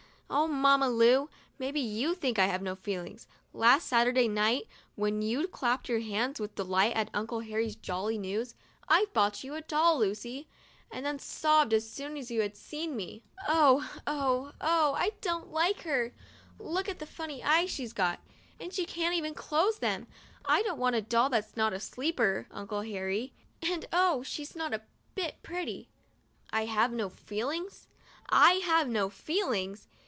Oh, Mamma Lu! maybe you think I had no feelings last Saturday night, when you clapped your hands with delight at Uncle Harry's jolly 12 MONDAY— MY FIRST BATH news, "I've brought a doll for you, Lucy," and then sobbed as soon as you had seen me :" Oh — oh — oh — I don't like her! Look what funny eyes she's got! And she can't close them ! I don't want a doll that's not a 'sleeper,' Uncle Harry, and oh! she's not a bit pretty." 1 have no feelings? I have no feelings?